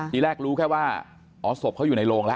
ทีแรกรู้แค่ว่าอ๋อศพเขาอยู่ในโรงแล้ว